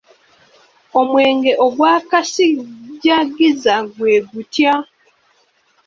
Omwenge ogwa kasijjagiza gwe gutya?